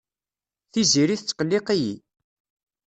Tiziri tettqelliq-iyi.